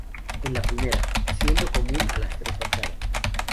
En la primera, siendo común a las tres fachadas.